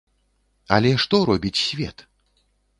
Але што робіць свет?